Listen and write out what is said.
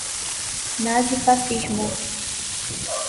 nazifascismo